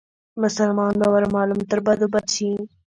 مسلمان به ور معلوم تر بدو بد شي